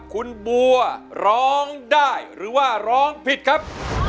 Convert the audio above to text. คุณบัวร้องได้หรือว่าร้องผิดครับ